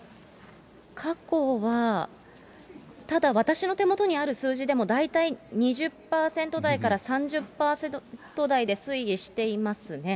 過去は、ただ、私の手元にある数字でも、大体２０％台から３０％台で推移していますね。